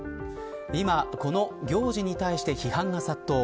今この行事に対して批判が殺到。